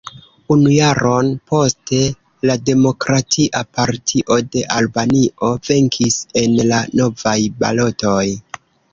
Unu jaron poste la Demokratia Partio de Albanio venkis en la novaj balotoj.